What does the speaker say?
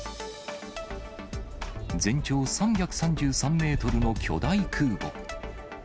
全長３３３メートルの巨大空母。